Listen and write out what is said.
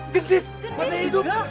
genghis masih hidup